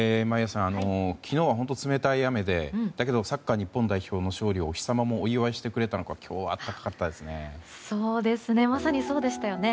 昨日は本当に冷たい雨でだけどサッカー日本代表の勝利をお日様もお祝いしてくれたのか今日は暖かかったですね。